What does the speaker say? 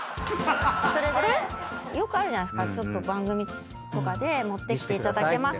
それでよくあるじゃないですかちょっと番組とかで持ってきていただけますか？